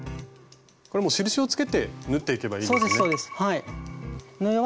これもう印をつけて縫っていけばいいんですよね？